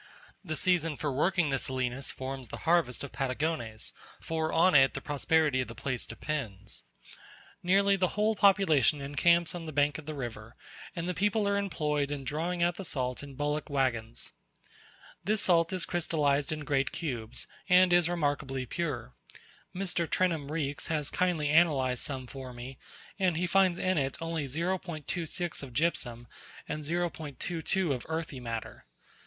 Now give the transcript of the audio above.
The season for working the salinas forms the harvest of Patagones; for on it the prosperity of the place depends. Nearly the whole population encamps on the bank of the river, and the people are employed in drawing out the salt in bullock waggons, This salt is crystallized in great cubes, and is remarkably pure: Mr. Trenham Reeks has kindly analyzed some for me, and he finds in it only 0.26 of gypsum and 0.22 of earthy matter.